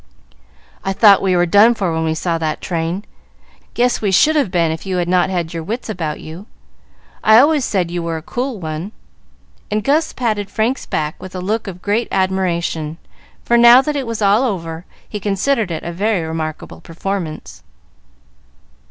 "I thought we were done for when we saw that train. Guess we should have been if you had not had your wits about you. I always said you were a cool one;" and Gus patted Frank's back with a look of great admiration, for, now that it was all over, he considered it a very remarkable performance.